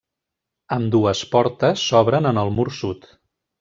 Ambdues portes s'obren en el mur sud.